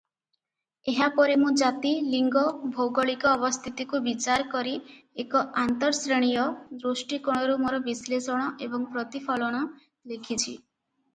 ଏହା ପରେ ମୁଁ ଜାତି, ଲିଙ୍ଗ, ଭୌଗୋଳିକ ଅବସ୍ଥିତିକୁ ବିଚାର କରି ଏକ ଆନ୍ତର୍ଶ୍ରେଣୀୟ ଦୃଷ୍ଟିକୋଣରୁ ମୋର ବିଶ୍ଳେଷଣ ଏବଂ ପ୍ରତିଫଳନ ଲେଖିଛି ।